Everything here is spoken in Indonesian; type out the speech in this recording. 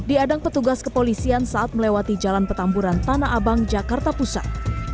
diadang petugas kepolisian saat melewati jalan petamburan tanah abang jakarta pusat